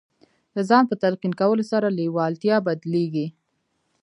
د ځان په تلقین کولو سره لېوالتیا بدلېږي